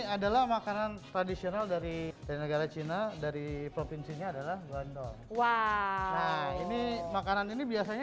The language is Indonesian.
adalah makanan tradisional dari negara cina dari provinsinya adalah guandong makanan ini biasanya